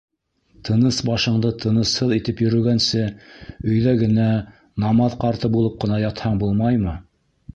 Тыныс башыңды тынысһыҙ итеп йөрөгәнсе, өйҙә генә, намаҙ ҡарты булып ҡына ятһаң, булмаймы?